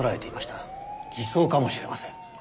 偽装かもしれません。